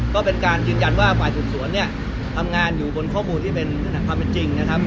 ก็เป็นการยืนยันว่าฝ่ายสืบสวนเนี่ยทำงานอยู่บนข้อมูลที่เป็นความเป็นจริงนะครับ